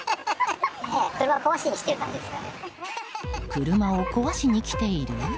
車を壊しに来ている？